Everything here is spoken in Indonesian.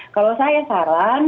kalau saya saran